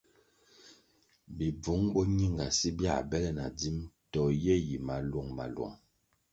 Bibvung boñingasi bia bele na dzim to ye yi maluong-maluong.